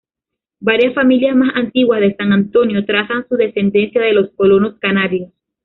Varias familias más antiguas de San Antonio trazan su descendencia de los colonos canarios.